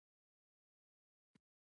پر دیوال نقاشۍ د فلسطینیانو لنډې کیسې کوي.